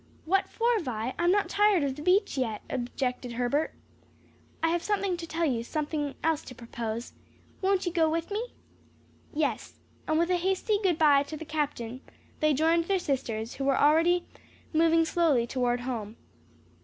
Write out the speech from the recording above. "What for, Vi? I'm not tired of the beach yet," objected Herbert. "I have something to tell you; something else to propose. Won't you go with me?" "Yes," and with a hasty "good bye," to the captain, they joined their sisters, who were already moving slowly toward home.